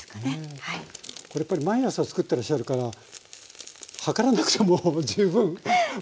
これやっぱり毎朝つくってらっしゃるから測らなくても十分分かりますよね。